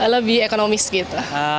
lebih ekonomis gitu